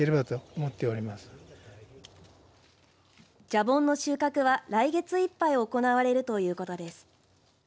じゃぼんの収穫は来月いっぱい行われるということです。